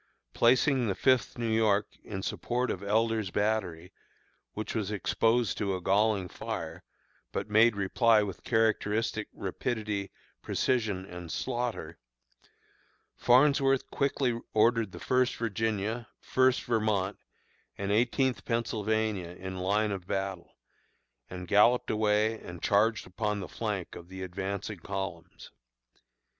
Placing the Fifth New York in support of Elder's battery, which was exposed to a galling fire, but made reply with characteristic rapidity, precision, and slaughter, Farnsworth quickly ordered the First Virginia, First Vermont, and Eighteenth Pennsylvania in line of battle, and galloped away and charged upon the flank of the advancing columns.